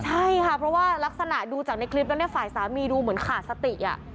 ใช่ค่ะเพราะว่ารักษณะดูจากในคลิปแล้วเนี่ยฝ่ายสามีดูเหมือนขาดสติ